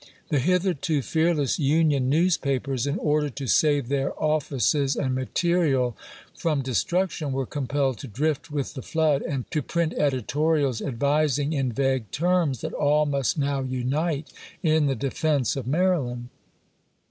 The hitherto fearless Union 164 ABKAHAM LINCOLN CHAP. VIII. newspapers, in order to save their offices and mate rial from destruction, were compelled to drift with the flood, and to print editorials advising, in vague terms, that all must now unite in the defense of Maryland.